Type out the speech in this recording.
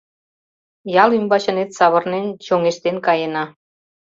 — Ял ӱмбачынет савырнен чоҥештен каена.